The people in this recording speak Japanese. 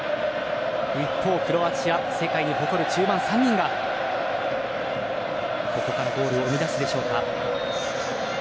一方、クロアチア世界に誇る中盤３人がここからゴールを生み出すでしょうか。